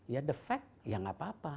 ya the fact ya nggak apa apa